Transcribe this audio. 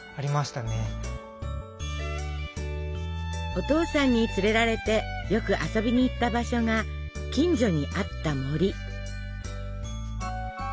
お父さんに連れられてよく遊びに行った場所が近所にあった森。